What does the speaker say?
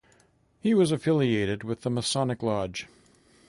He was affiliated with the Masonic lodge.